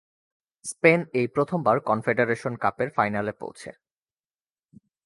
Spain এই প্রথম বার কনফেডারেশন কাপের ফাইনালে পৌঁছে।